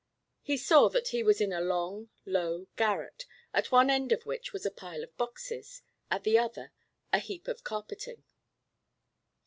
He saw that he was in a long low garret, at one end of which was a pile of boxes, at the other a heap of carpeting.